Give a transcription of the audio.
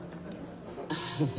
フフフ。